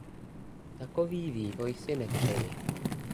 Takový vývoj si nepřeji.